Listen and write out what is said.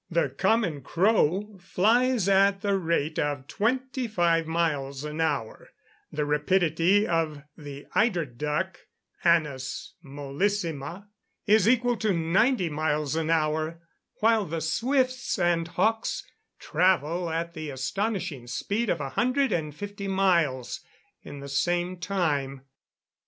The common crow flies at the rate of twenty five miles an hour; the rapidity of the eider duck, Anas mollissima, is equal to ninety miles an hour; while the swifts and hawks travel at the astonishing speed of a hundred and fifty miles in the same time.